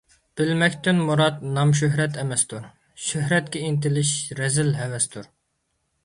بىلمەكتىن مۇرات – نام - شۆھرەت ئەمەستۇر، شۆھرەتكە ئىنتىلىش رەزىل ھەۋەستۇر.